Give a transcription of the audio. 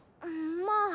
まあ。